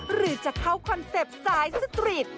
หรือจะเข้าคอนเซ็ปต์สายสตรีท